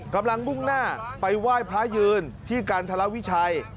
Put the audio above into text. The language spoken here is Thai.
กำลังมุ่งหน้าไปไหว้พระยืนที่กันทรวิชัย